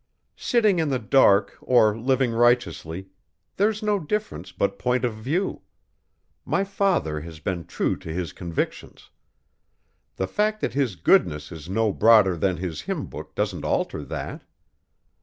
"Sitting in the dark or living righteously there's no difference but point of view. My father has been true to his convictions. The fact that his goodness is no broader than his hymn book doesn't alter that."